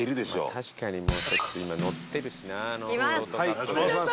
「確かにもうちょっと今乗ってるしな」いきます！